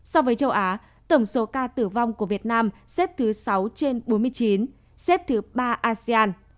so với châu á tổng số ca tử vong của việt nam xếp thứ sáu trên bốn mươi chín xếp thứ ba asean